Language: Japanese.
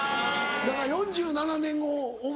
だから４７年後お前